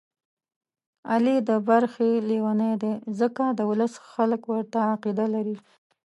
علي د برخې لېونی دی، ځکه د ولس خلک ورته عقیده لري.